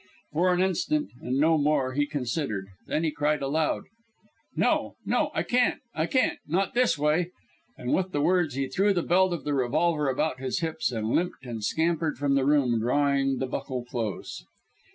For an instant, and no more, he considered. Then he cried aloud: "No, no; I can't, I can't not this way!" And with the words he threw the belt of the revolver about his hips and limped and scampered from the room, drawing the buckle close.